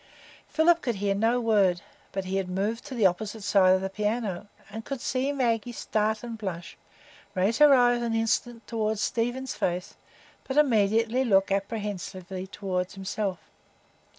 Philip could hear no word, but he had moved to the opposite side of the piano, and could see Maggie start and blush, raise her eyes an instant toward Stephen's face, but immediately look apprehensively toward himself.